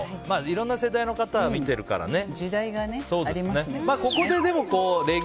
いろんな世代の方が見てるからね。